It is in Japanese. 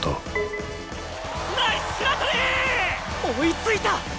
追いついた！